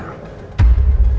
aku ngerti aku ngerti aku ngerti